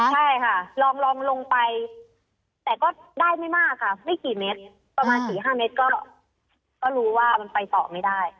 ใช่ค่ะลองลงไปแต่ก็ได้ไม่มากค่ะไม่กี่เมตรประมาณ๔๕เมตรก็รู้ว่ามันไปต่อไม่ได้